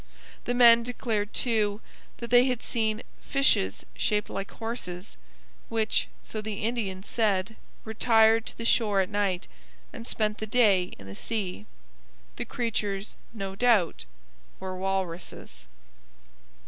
The men declared, too, that they had seen 'fishes shaped like horses,' which, so the Indians said, retired to shore at night, and spent the day in the sea. The creatures, no doubt, were walruses.